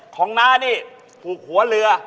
ของนานี่ถูกหัวเรือ